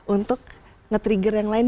untuk nge trigger yang lain